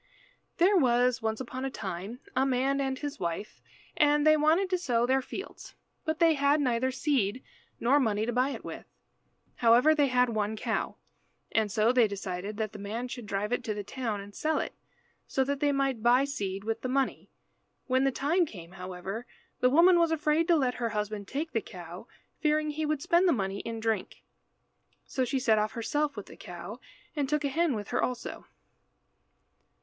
There was once upon a time a man and his wife, and they wanted to sow their fields, but they had neither seed nor money to buy it with. However, they had one cow, and so they decided that the man should drive it to the town and sell it, so that they might buy seed with the money. When the time came, however, the woman was afraid to let her husband take the cow, fearing he would spend the money in drink. So she set off herself with the cow, and took a hen with her also.